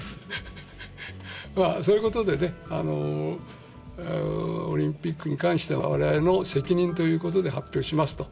そういうことでね、オリンピックに関しては、われわれの責任ということで発表しますと。